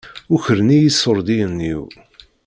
Ukren-iyi iṣuṛdiyen-iw.